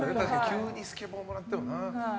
急にスケボーもらってもな。